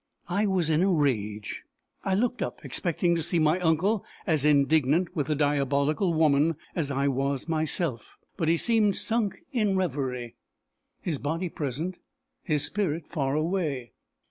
I was in a rage. I looked up, expecting to see my uncle as indignant with the diabolical woman as I was myself. But he seemed sunk in reverie, his body present, his spirit far away.